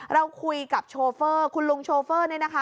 เราคุยกับโชเฟอร์คุณลุงโชเฟอร์นี่นะคะ